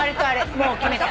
もう決めた。